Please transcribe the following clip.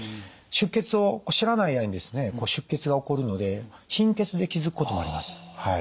出血を知らない間に出血が起こるので貧血で気付くこともあります。